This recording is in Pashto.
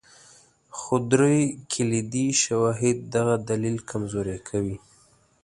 خو درې کلیدي شواهد دغه دلیل کمزوری کوي.